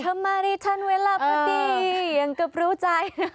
ทำไมไม่ทันเวลาพอดียังเกือบรู้ใจ